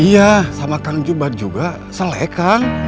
iya sama kang jum'at juga selek kang